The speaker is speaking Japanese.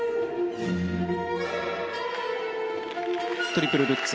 トリプルルッツ。